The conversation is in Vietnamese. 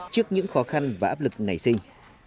trước những khó khăn và áp lực nảy sinh